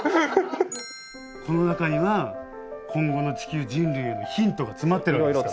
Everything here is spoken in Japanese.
この中には今後の地球人類へのヒントが詰まっているわけですから。